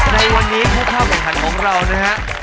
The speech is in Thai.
ในวันนี้พบครับของขันของเรานะครับ